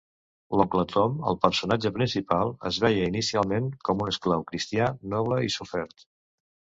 L'oncle Tom, el personatge principal, es veia inicialment com un esclau cristià noble i sofert.